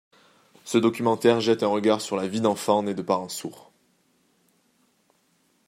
Ce documentaire jette un regard sur la vie d'enfants nés de parents sourds.